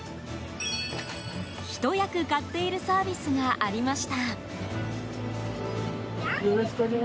ひと役買っているサービスがありました。